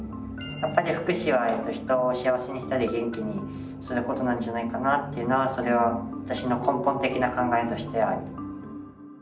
やっぱり福祉は人を幸せにしたり元気にすることなんじゃないかなっていうのはそれは私の根本的な考えとしてある。